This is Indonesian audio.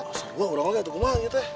masa gue ulang lagi aku cuma gitu ya